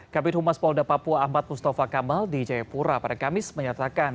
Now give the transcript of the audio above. kabin humas polda papua ahmad mustafa kamal di jayapura pada kamis menyatakan